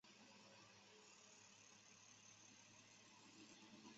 母仲氏。